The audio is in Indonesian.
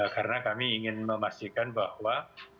karena kami ingin memastikan bahwa